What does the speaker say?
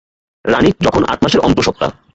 রানী যখন আট মাসের অন্তঃসত্ত্বা।